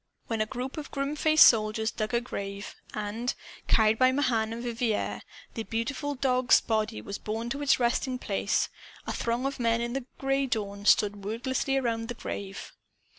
Then a group of grim faced soldiers dug a grave. And, carried by Mahan and Vivier, the beautiful dog's body was borne to its resting place. A throng of men in the gray dawn stood wordless around the grave.